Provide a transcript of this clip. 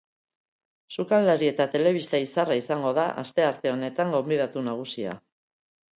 Sukaldari eta telebista izarra izango da astearte honetan gonbidatu nagusia.